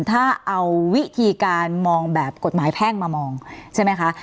ถ้าเอาวิธีการมองแบบกฎหมายแพ่งมามองใช่ไหมคะ